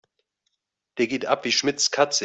Der geht ab wie Schmitz' Katze.